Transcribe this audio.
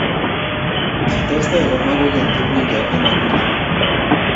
Kitestai komwa kokeny Kifuja eng akilinyi